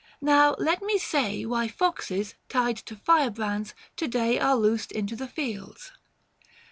Now let me say Why foxes, tied to firebrands, to day Are loosed into the fields.